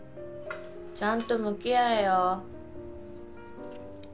ちゃんと向き合えよ。